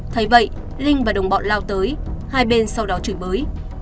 thấy vậy linh và đồng bọn lao tới hai bên sau đó chửi bới